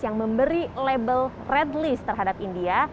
yang memberi label red list terhadap india